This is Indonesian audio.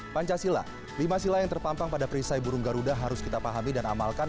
pancasila lima sila yang terpampang pada perisai burung garuda harus kita pahami dan amalkan